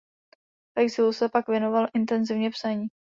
V exilu se pak věnoval intenzivně psaní.